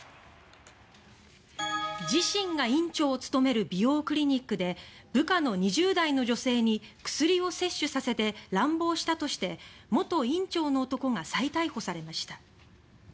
自身が院長を務める美容クリニックで部下の２０代の女性に薬を摂取させて、乱暴したとして元院長の男が再逮捕されました。